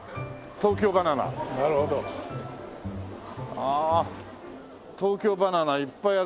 ああ東京ばな奈いっぱいある。